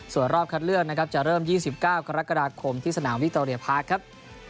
ส่วนรอบคัดเลือกนะครับจะเริ่ม๒๙กรกฎาคมที่สนามวิคโตเรียพาร์คครับ